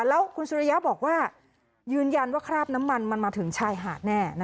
แล้วคุณสุริยะบอกว่ายืนยันว่าคราบน้ำมันมันมาถึงชายหาดแน่